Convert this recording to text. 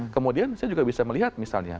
kemudian saya juga bisa melihat misalnya